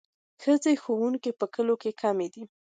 ښځینه ښوونکي په کلیو کې کمې دي.